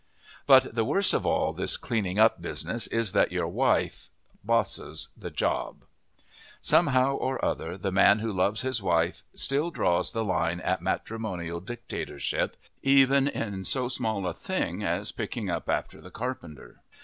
But the worst of all this cleaning up business is that your wife bosses the job. Somehow or other, the man who loves his wife still draws the line at matrimonial dictatorship, even in so small a thing as picking up after the carpenter.